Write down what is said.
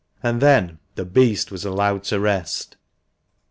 And then the beast was allowed to rest.